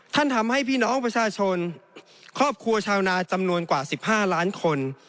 ทำให้พี่น้องประชาชนครอบครัวชาวนาจำนวนกว่า๑๕ล้านคน